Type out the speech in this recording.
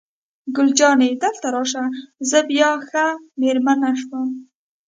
ګل جانې: دلته راشه، زه بیا ښه مېرمن شوم.